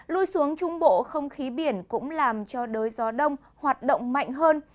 lui xuống trung bộ không khí biển cũng làm cho đới gió đông hoạt động mạnh hơn